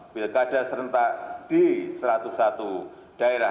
pilihkan agar serentak di satu ratus satu daerah